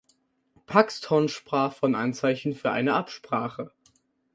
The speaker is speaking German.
Paxton sprach von Anzeichen für eine Absprache.